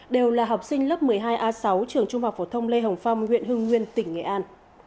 đều là học sinh lớp một mươi hai a sáu trường trung học phổ thông lê hồng phong huyện hưng nguyên tỉnh nghệ an